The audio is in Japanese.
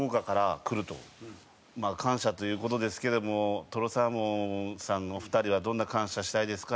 「感謝という事ですけどもとろサーモンさんの２人はどんな感謝したいですか？